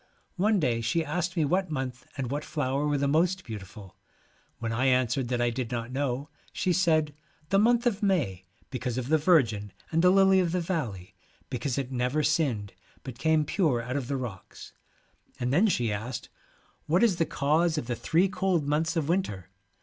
One day she asked me what month and what flower were the most beautiful. When I answered that I did not know, she said, 'the month of May, because of the Virgin, and the lily of the valley, because it never sinned, but came pure out of the rocks/ and then she asked, 1 what is the cause of the three cold months of winter